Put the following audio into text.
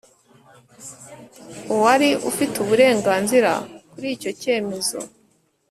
uwari ufite uburenganzira kuri icyo cyemezo